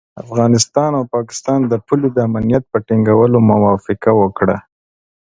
افغانستان او پاکستان د پولو د امنیت په ټینګولو موافقه وکړه.